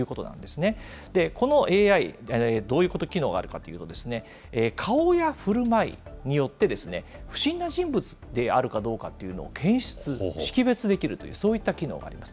このＡＩ、どういう機能があるかというと、顔やふるまいによって、不審な人物であるかどうかっていうのを検出、識別できるという、そういった機能があります。